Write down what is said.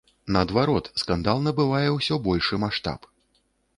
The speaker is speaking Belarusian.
Наадварот, скандал набывае ўсё большы маштаб.